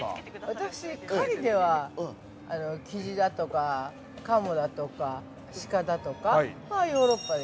◆私、狩りではキジだとか鴨だとか、鹿だとかはヨーロッパで。